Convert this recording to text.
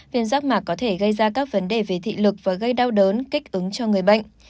viên rác mạc có thể gây ra các vấn đề về thị lực và gây đau đớn kích ứng cho người bệnh